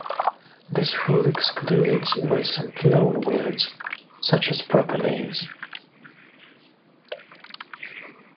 This rule excludes recent loanwords such as proper names.